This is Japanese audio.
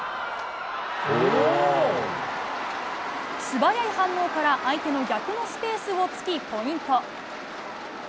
素早い反応から相手の逆のスペースをつき、ポイント。